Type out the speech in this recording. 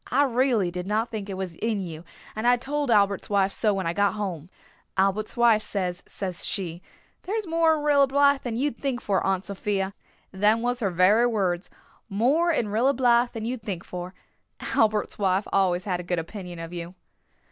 I reely did not think it was in you and I told Albert's wife so when I got home. Albert's wife says, says she, 'There's more in Rilla Blythe than you'd think for, Aunt Sophia.' Them was her very words. 'More in Rilla Blythe than you'd think for.' Albert's wife always had a good opinion of you."